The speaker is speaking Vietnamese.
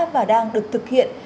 và đang được thực hiện